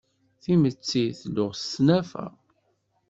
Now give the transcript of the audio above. Timetti tluɣ s tnafa.